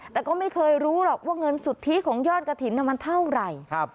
แต่ก็ไม่เคยรู้หรอกว่าเงินสุทธิของยอดกระถิ่นมันเท่าไหร่